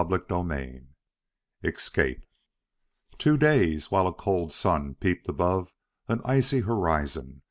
CHAPTER II Escape Two days, while a cold sun peeped above an icy horizon!